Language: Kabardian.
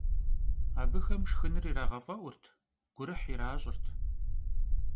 Абыхэм шхыныр ирагъэфӀэӀурт, гурыхь иращӀырт.